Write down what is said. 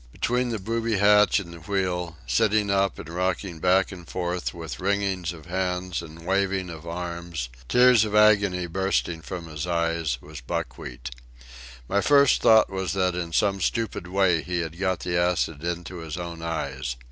Between the booby hatch and the wheel, sitting up and rocking back and forth with wringings of hands and wavings of arms, tears of agony bursting from his eyes, was Buckwheat. My first thought was that in some stupid way he had got the acid into his own eyes.